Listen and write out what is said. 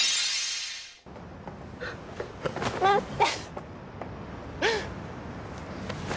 待って。